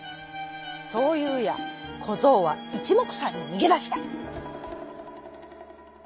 そういうやこぞうはいちもくさんににげだした。